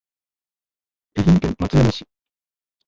愛媛県松山市